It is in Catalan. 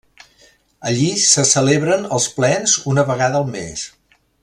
Allí se celebren els plens una vegada al mes.